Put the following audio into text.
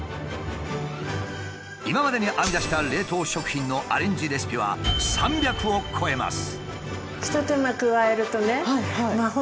今までに編み出した冷凍食品のアレンジレシピは３００を超えます。